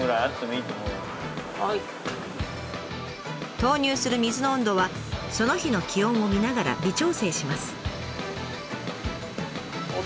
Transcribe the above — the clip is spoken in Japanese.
投入する水の温度はその日の気温を見ながら微調整します。ＯＫ。